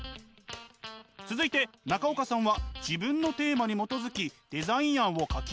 続いて中岡さんは自分のテーマに基づきデザイン案を描きます。